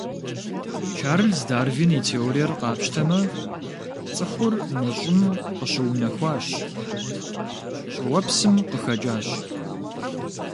Дарвин Чарльз и теориер къапщтэмэ, цӏыхур мы Щӏым къыщыунэхуащ, щӏыуэпсым къыхэкӏащ.